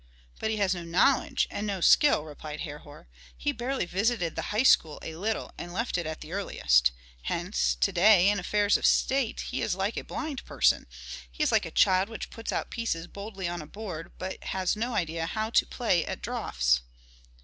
"But he has no knowledge, and no skill," replied Herhor. "He barely visited the high school a little and left it at the earliest. Hence, to day, in affairs of state he is like a blind person; he is like a child which puts out pieces boldly on a board, but has no idea how to play at draughts."